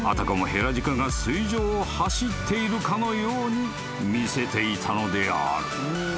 ヘラジカが水上を走っているかのように見せていたのである］